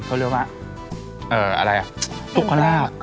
เขาเรียกว่าเอ่ออะไรอ่ะทุกข้าราบ